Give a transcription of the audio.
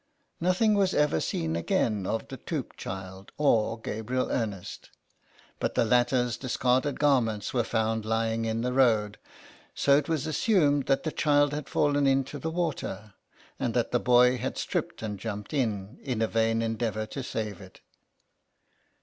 Nothing was ever seen again of the Toop child or Gabriel Ernest, but the latter's dis carded garments were found lying in the road so it was assumed that the child had fallen into the water, and that the boy had stripped and jumped in, in a vain endeavour to save it.